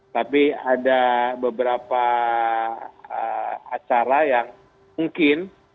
tapi ada beberapa acara yang mungkin